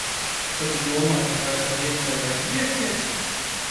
Tad tu domā, ka vairs nav iespēju atgriezties?